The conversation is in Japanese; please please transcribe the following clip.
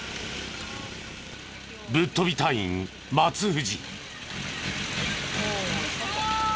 ぶっ飛び隊員松藤。